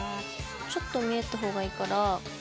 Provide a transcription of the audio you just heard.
ちょっと見えた方がいいから。